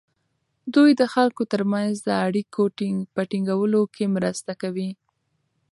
دوی د خلکو ترمنځ د اړیکو په ټینګولو کې مرسته کوي.